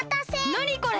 なにこれ！